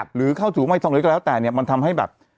หรือเข้าสู่วัยทองเรียกว่าแล้วแต่มันทำให้แบบ